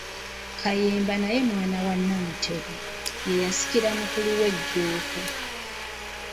KAYEMBA naye mwana wa Nnamutebi, ye yasikira mukulu we Jjuuko.